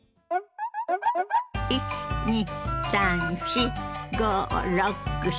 １２３４５６７８。